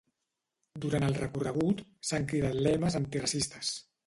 Durant el recorregut s'han cridat lemes antiracistes.